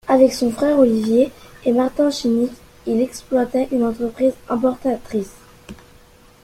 Avec son frère Olivier et Martin Chinic, il exploitait une entreprise importatrice.